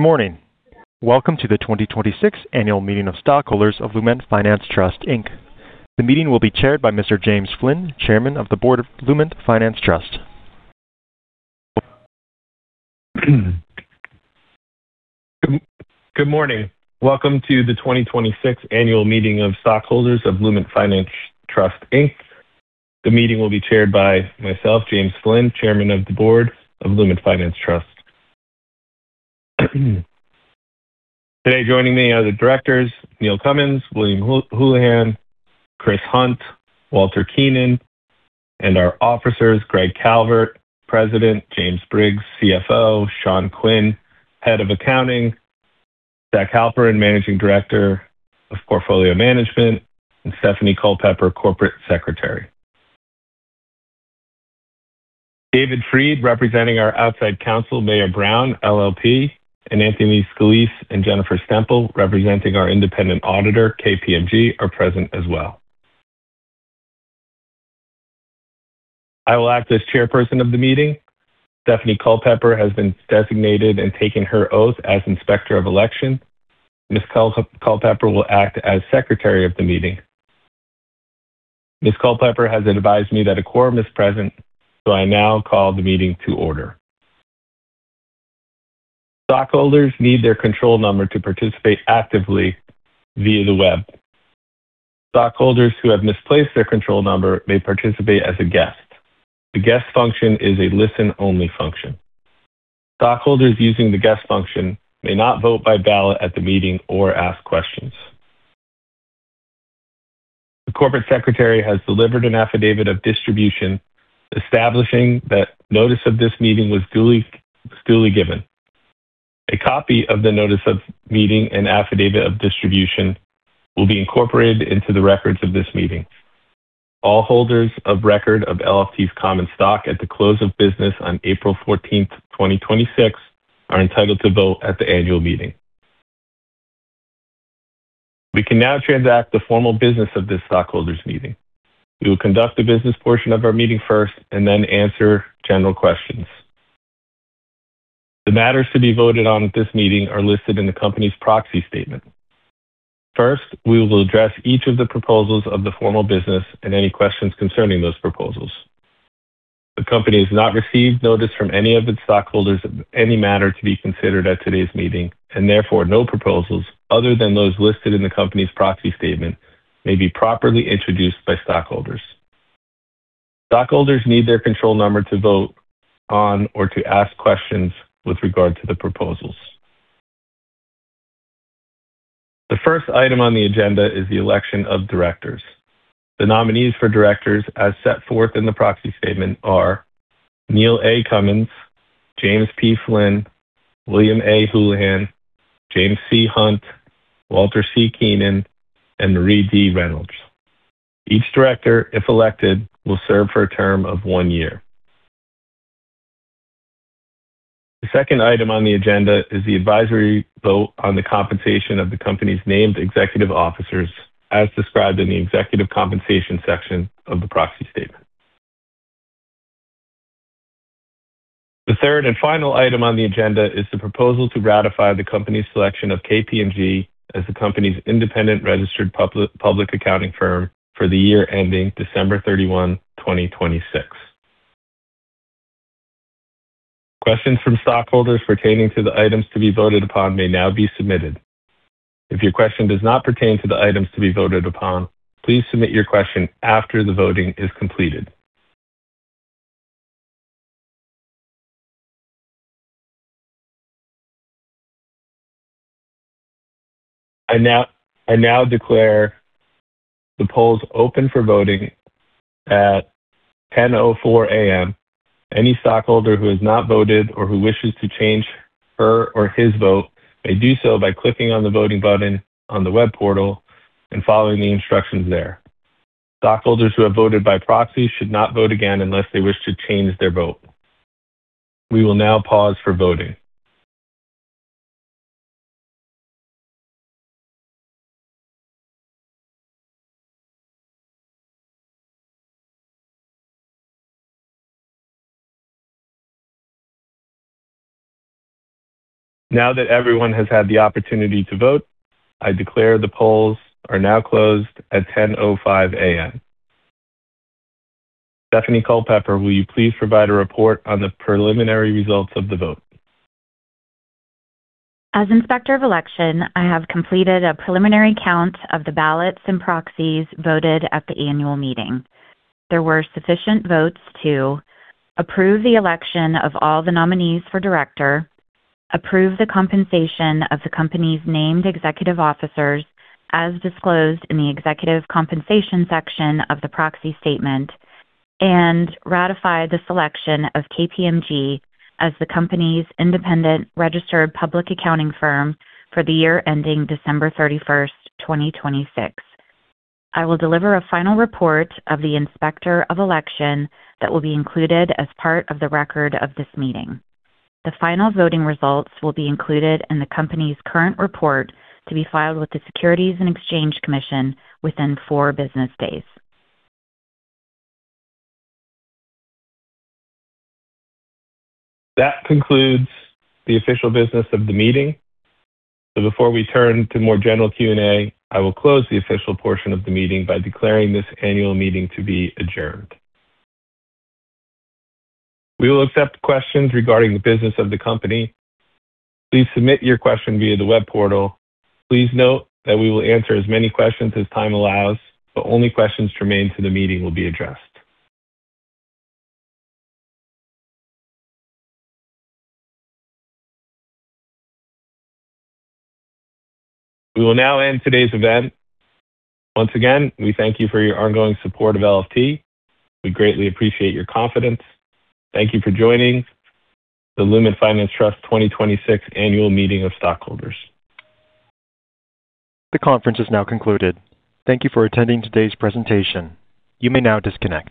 Good morning. Welcome to the 2026 Annual Meeting of Stockholders of Lument Finance Trust, Inc. The meeting will be chaired by Mr. James Flynn, Chairman of the Board of Lument Finance Trust. Good morning. Welcome to the 2026 Annual Meeting of Stockholders of Lument Finance Trust, Inc. The meeting will be chaired by myself, James Flynn, Chairman of the Board of Lument Finance Trust. Today, joining me are the directors, Neil Cummins, William Houlihan, Chris Hunt, Walter Keenan, and our officers, Greg Calvert, President, James Briggs, CFO, Sean Quinn, Head of Accounting, Zach Halpern, Managing Director of Portfolio Management, and Stephanie Culpepper, Corporate Secretary. David Freed, representing our outside counsel, Mayer Brown LLP, and Anthony Scalise and Jennifer Stemple, representing our independent auditor, KPMG, are present as well. I will act as chairperson of the meeting. Stephanie Culpepper has been designated and taken her oath as Inspector of Election. Ms. Culpepper will act as secretary of the meeting. Ms. Culpepper has advised me that a quorum is present. I now call the meeting to order. Stockholders need their control number to participate actively via the web. Stockholders who have misplaced their control number may participate as a guest. The guest function is a listen-only function. Stockholders using the guest function may not vote by ballot at the meeting or ask questions. The corporate secretary has delivered an affidavit of distribution establishing that notice of this meeting was duly given. A copy of the notice of meeting and affidavit of distribution will be incorporated into the records of this meeting. All holders of record of LFT's common stock at the close of business on April 14th, 2026, are entitled to vote at the annual meeting. We can now transact the formal business of this stockholders' meeting. We will conduct the business portion of our meeting first and then answer general questions. The matters to be voted on at this meeting are listed in the company's proxy statement. First, we will address each of the proposals of the formal business and any questions concerning those proposals. The company has not received notice from any of its stockholders of any matter to be considered at today's meeting, and therefore, no proposals other than those listed in the company's proxy statement may be properly introduced by stockholders. Stockholders need their control number to vote on or to ask questions with regard to the proposals. The first item on the agenda is the election of directors. The nominees for directors, as set forth in the proxy statement, are Neil A. Cummins, James P. Flynn, William A. Houlihan, James C. Hunt, Walter C. Keenan, and Marie D. Reynolds. Each director, if elected, will serve for a term of one year. The second item on the agenda is the advisory vote on the compensation of the company's named executive officers, as described in the executive compensation section of the proxy statement. The third and final item on the agenda is the proposal to ratify the company's selection of KPMG as the company's independent registered public accounting firm for the year ending December 31, 2026. Questions from stockholders pertaining to the items to be voted upon may now be submitted. If your question does not pertain to the items to be voted upon, please submit your question after the voting is completed. I now declare the polls open for voting at 10:04 A.M. Any stockholder who has not voted or who wishes to change her or his vote may do so by clicking on the voting button on the web portal and following the instructions there. Stockholders who have voted by proxy should not vote again unless they wish to change their vote. We will now pause for voting. Now that everyone has had the opportunity to vote, I declare the polls are now closed at 10:05 A.M. Stephanie Culpepper, will you please provide a report on the preliminary results of the vote? As Inspector of Election, I have completed a preliminary count of the ballots and proxies voted at the annual meeting. There were sufficient votes to approve the election of all the nominees for director, approve the compensation of the company's named executive officers as disclosed in the executive compensation section of the proxy statement, and ratify the selection of KPMG as the company's independent registered public accounting firm for the year ending December 31, 2026. I will deliver a final report of the Inspector of Election that will be included as part of the record of this meeting. The final voting results will be included in the company's current report to be filed with the Securities and Exchange Commission within four business days. That concludes the official business of the meeting. Before we turn to more general Q&A, I will close the official portion of the meeting by declaring this annual meeting to be adjourned. We will accept questions regarding the business of the company. Please submit your question via the web portal. Please note that we will answer as many questions as time allows, but only questions germane to the meeting will be addressed. We will now end today's event. Once again, we thank you for your ongoing support of LFT. We greatly appreciate your confidence. Thank you for joining the Lument Finance Trust 2026 Annual Meeting of Stockholders. The conference is now concluded. Thank you for attending today's presentation. You may now disconnect.